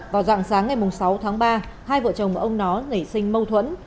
vào dạng sáng ngày sáu tháng ba hai vợ chồng ông nó nảy sinh mâu thuẫn